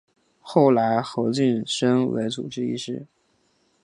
后来侯升任为主治医师。